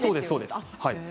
そうです。